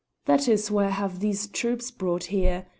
That is why I have had these troops brought here.